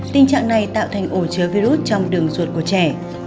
tình trạng này tạo thành ổ chứa virus trong đường ruột của trẻ